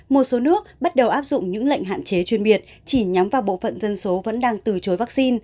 một số nước bắt đầu áp dụng những lệnh hạn chế chuyên biệt chỉ nhắm vào bộ phận dân số vẫn đang từ chối vaccine